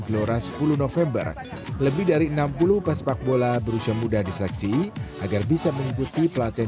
gelora sepuluh november lebih dari enam puluh pesepak bola berusia muda diseleksi agar bisa mengikuti pelatihan